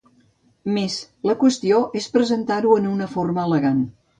Més la qüestió es presentar-ho en una forma elegant.